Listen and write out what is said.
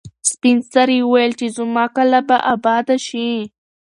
سپین سرې وویل چې زما کلا به اباده شي.